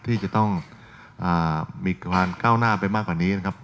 ที่จะต้องมีการก้าวหน้าไปมากกว่านี้นะครับ